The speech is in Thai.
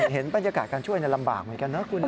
เห็นบรรยากาศการช่วยลำบากเหมือนกันนะคุณนะ